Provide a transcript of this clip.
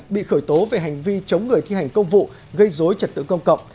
bị khởi tố về hành vi chống người thi hành công vụ gây dối trật tự công cộng